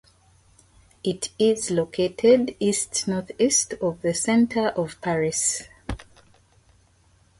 It is located east-northeast of the center of Paris.